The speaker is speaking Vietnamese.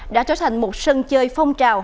đã trở thành một sân chơi phong trào